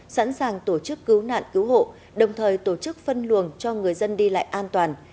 sẵn sàng tổ chức cứu nạn cứu hộ đồng thời tổ chức phân luồng cho người dân đi lại an toàn